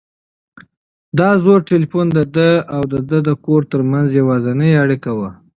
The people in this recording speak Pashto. دا زوړ تلیفون د ده او د کور تر منځ یوازینۍ اړیکه وه.